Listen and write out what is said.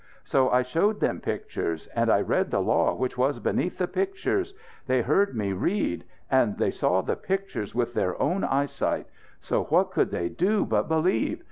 So I showed them pictures. And I read the law which was beneath the pictures. They heard me read. And they saw the pictures with their own eyesight. So what could they do but believe?